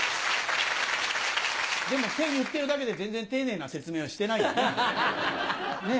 でも言ってるだけで全然丁寧な説明はしてないよね。ねぇ？